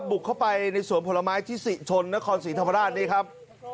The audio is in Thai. บุกเข้าไปในสวนผลไม้ที่๔ชนคอนศีลธรรมดาลนี้ครับ